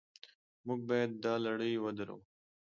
موږ باید دا لړۍ ودروو.